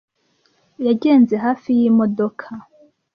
Yagenze hafi yimodoka.